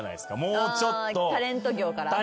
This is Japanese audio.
タレント業から？